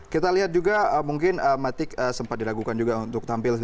kita lihat juga mungkin matic sempat dilakukan juga untuk tampil di situ